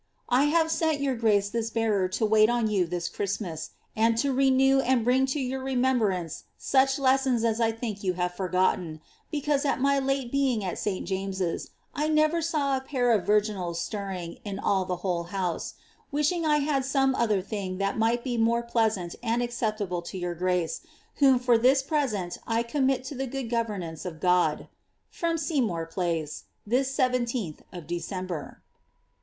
••••I haTe tent your grace thii bearer to wait on yoa this Christmaai and to le new and bring to your remembmnoe lueh leseone at Ithinkyou have IbifDitea; becauee, at my late being at Sl James's, I never «w a jnnt of Tiiginals stirring in all the whole house ; wishing I had some other thing that might be more plea mnt and acceptable to your grace, whom for this present I commit to the good fovemanoe of God. — From Seymour Place, this 17th of December.